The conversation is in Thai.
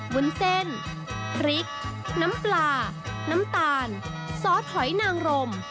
วุ้นเส้นพริกน้ำปลาน้ำตาลซอสหอยนางรม